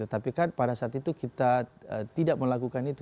tapi kan pada saat itu kita tidak melakukan itu